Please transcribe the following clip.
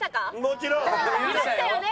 もちろん！見ましたよね？